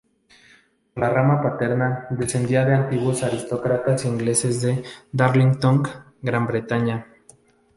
Por la rama paterna, descendía de antiguos aristócratas ingleses de Darlington, Gran Bretaña.